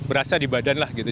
berasa di badan lah gitu